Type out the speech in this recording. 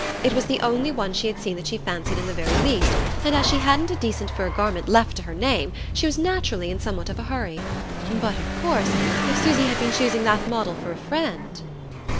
It was the only one she had seen that she fancied in the very least, and as she hadn't a decent fur garment left to her name she was naturally in somewhat of a hurry... but, of course, if Susy had been choosing that model for a friend....